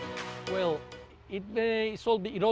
apa yang anda lakukan untuk membuatnya